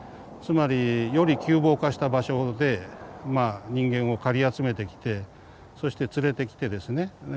つまりより窮乏化した場所で人間をかり集めてきてそして連れてきてですね